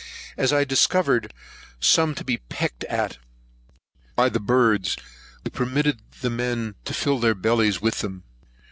As I discovered some to be pecked at by the birds, we permitted the men to fill their bellies with them.